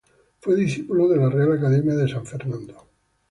Fue discípulo de la Real Academia de San Fernando.